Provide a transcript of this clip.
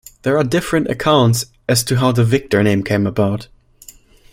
There are different accounts as to how the "Victor" name came about.